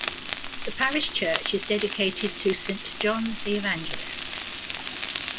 The Parish Church is dedicated to Saint John the Evangelist.